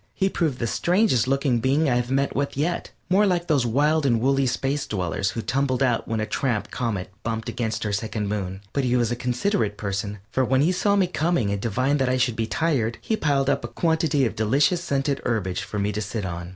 He proved the strangest looking being I have met with yet, more like those wild and woolly space dwellers who tumbled out when that tramp comet bumped against our second moon. But he was a considerate person, for when he saw me coming and divined that I should be tired, he piled up a quantity of delicious scented herbage for me to sit on.